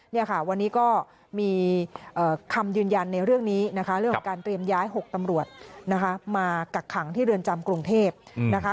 เนี่ยค่ะวันนี้ก็มีคำยืนยันในเรื่องนี้นะคะเรื่องของการเตรียมย้าย๖ตำรวจนะคะมากักขังที่เรือนจำกรุงเทพนะคะ